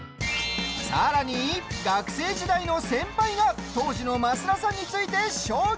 さらに学生時代の先輩が当時の増田さんについて証言。